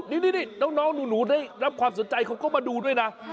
นี่น้องหนูได้รับความสนใจเขาก็มาดูด้วยนะ